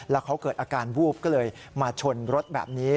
แล้วเขาเกิดอาการวูบก็เลยมาชนรถแบบนี้